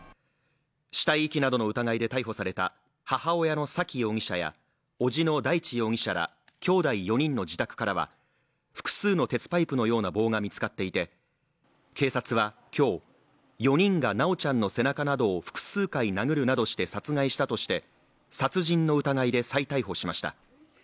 死体遺棄などの疑いで逮捕された母親の沙喜容疑者やおじの大地容疑者らきょうだい４人の自宅からは、複数の鉄パイプのような棒が見つかっていて、警察は今日、４人が修ちゃんの背中などを複数回殴るなどして殺害したとして殺人の疑いで再逮捕しました。